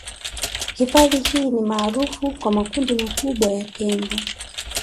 Hifadhi hii ni maarufu kwa makundi makubwa ya tembo